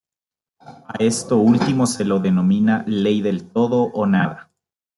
A esto último se lo denomina Ley del todo o nada.